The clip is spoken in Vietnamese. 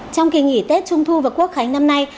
trong kỳ nghỉ tết trung thu và quốc khánh năm nay